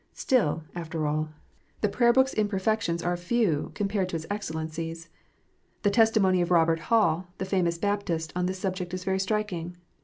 Still, after all, the THE CHURCH. 239 Prayer book s imperfections are few, compared to its excellencies. The testimony of Kobert Hall, the famous Baptist, on this subject is very striking.